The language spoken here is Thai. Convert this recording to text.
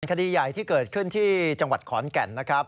คดีใหญ่ที่เกิดขึ้นที่จังหวัดขอนแก่นนะครับ